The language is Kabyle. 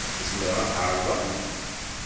Zemreɣ ad t-ɛerḍeɣ?